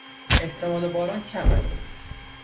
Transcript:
احتمال باران کم است.